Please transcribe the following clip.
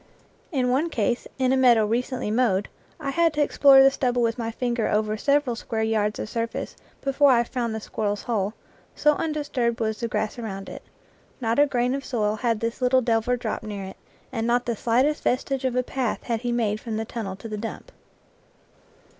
In one case, in a meadow recently mowed, I had to explore the stubble with my finger over several square yards of surface before I found the squirrel's hole, so undis turbed was the grass around it; not a grain of soil 76 IN FIELD AND WOOD had the little delver dropped near it, and not the slightest vestige of a path had he made from the tunnel to the dump.